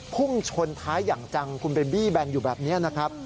พุ่งชนท้ายอย่างจังคุณเบนบี้แบนอยู่แบบนี้นะครับ